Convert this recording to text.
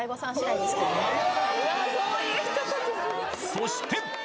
そして！